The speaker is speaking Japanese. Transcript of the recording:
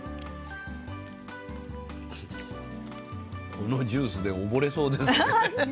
このジュースで溺れそうですね。